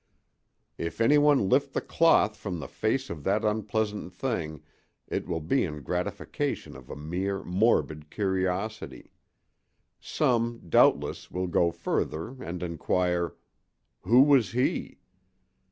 If anyone lift the cloth from the face of that unpleasant thing it will be in gratification of a mere morbid curiosity. Some, doubtless, will go further and inquire, "Who was he?"